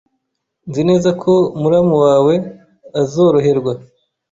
Nzi neza ko muramu wawe azoroherwa.